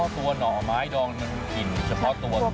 อ๋อตัวหน่อไม้ดองมันกลิ่นเฉพาะตัวนะ